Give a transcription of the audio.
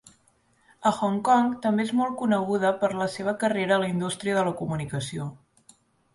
A Hong Kong també és molt coneguda per la seva carrera a la indústria de la comunicació.